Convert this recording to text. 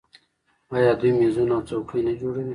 آیا دوی میزونه او څوکۍ نه جوړوي؟